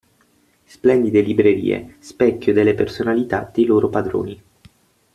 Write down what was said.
Splendide librerie, specchio delle personalità dei loro padroni.